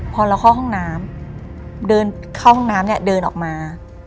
พอเราเข้าห้องน้ำเดินเข้าห้องน้ำเนี่ยเดินออกมา